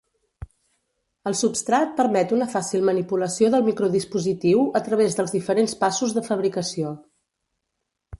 El substrat permet una fàcil manipulació del microdispositiu a través dels diferents passos de fabricació.